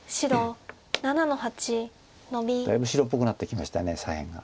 だいぶ白っぽくなってきました左辺が。